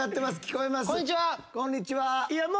こんにちは。